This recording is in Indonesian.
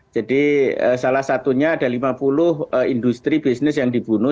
jadi salah satunya ada lima puluh industri bisnis yang dibunuh